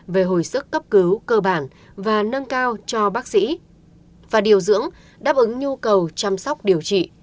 về hồi sức cấp cứu cơ bản và nâng cao cho bác sĩ và điều dưỡng đáp ứng nhu cầu chăm sóc điều trị